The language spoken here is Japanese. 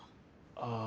ああ。